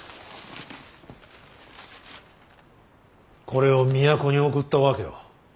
これを都に送った訳は。